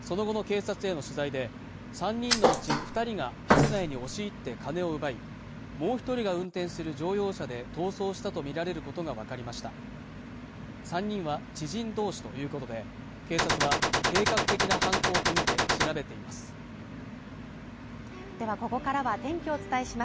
その後の警察への取材で３人のうち二人が室内に押し入って金を奪いもう一人が運転する乗用車で逃走したと見られることが分かりました３人は知人同士ということで警察は計画的な犯行とみて調べていますではここからは天気をお伝えします